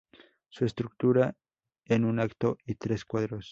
Se estructura en un acto y tres cuadros.